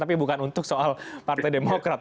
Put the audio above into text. tapi bukan untuk soal partai demokrat